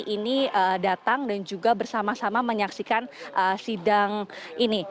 ini datang dan juga bersama sama menyaksikan sidang ini